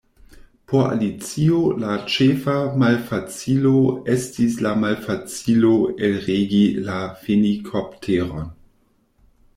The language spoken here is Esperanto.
Por Alicio la ĉefa malfacilo estis la malfacilo elregi la fenikopteron.